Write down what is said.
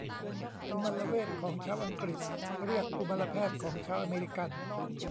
กุมารเวชของชาวอังกฤษเรียกกุมารแพทย์ของชาวอเมริกัน